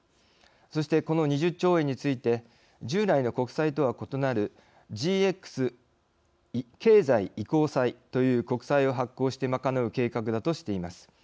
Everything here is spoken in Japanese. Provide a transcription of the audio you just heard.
そして、この２０兆円について従来の国債とは異なるＧＸ経済移行債という国債を発行して賄う計画だとしています。